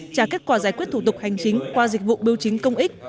trả kết quả giải quyết thủ tục hành chính qua dịch vụ biêu chính công ích